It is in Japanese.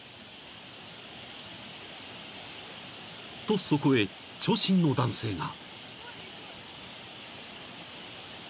［とそこへ長身の男性が］